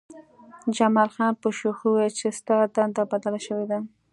جمال خان په شوخۍ وویل چې ستا دنده بدله شوې ده